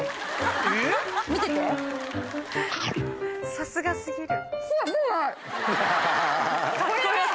さすが過ぎる。